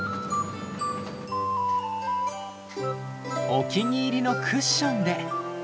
お気に入りのクッションで。